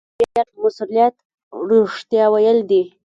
د خبریال مسوولیت رښتیا ویل دي.